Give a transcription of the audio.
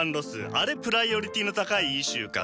あれプライオリティーの高いイシューかと。